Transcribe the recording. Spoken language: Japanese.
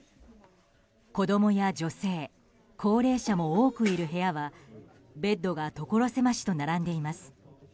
子供や女性高齢者も多くいる部屋はベッドが所狭しと並んでいます。